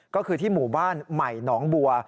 ก็คือที่หมู่บ้านใหม่หนองบัว